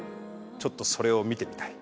ちょっとそれを見てみたい。